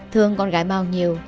thương con gái bao nhiêu